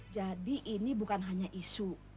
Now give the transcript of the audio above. jadi ini bukan hanya isu